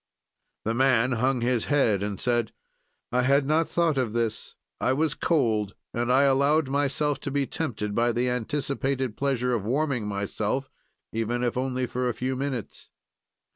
"The man hung his head and said: 'I had not thought of this; I was cold and I allowed myself to be tempted by the anticipated pleasure of warming myself, even if only for a few minutes.'